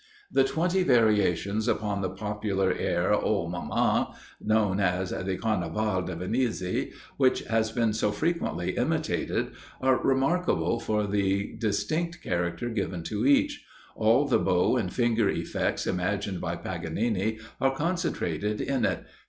The twenty variations upon the popular air "Oh, Mamma," known as the "Carnaval de Venise," which has been so frequently imitated, are remarkable for the distinct character given to each; all the bow and finger effects imagined by Paganini are concentrated in it.